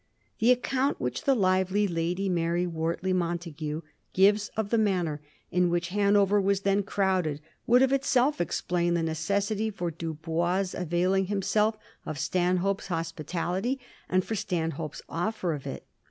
The account which the lively Lady Mary Wortley Montagu gives of the manner in which Hanover was then crowded would of itself explain the necessity for Dubois avail ing himself of Stanhope's hospitality, and for Stan hope's oflfer of it.